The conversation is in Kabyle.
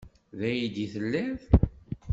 D aydi i telliḍ.